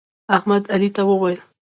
احمد علي ته وویل: